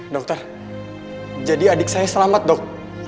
dokter jadi adik saya selamat dok